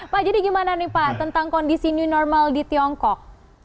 pak jadi gimana nih pak tentang kondisi new normal di tiongkok